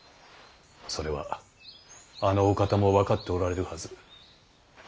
それはあのお方も分かっておられるはず。